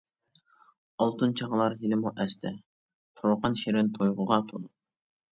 ئالتۇن چاغلار ھېلىمۇ ئەستە، تۇرغان شېرىن تۇيغۇغا تولۇپ.